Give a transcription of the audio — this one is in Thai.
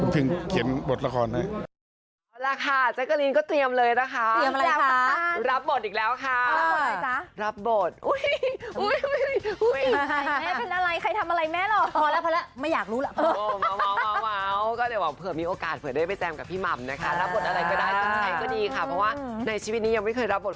เป็นพล็อตมาจากทางพี่หม่ำเองค่ะค่ะ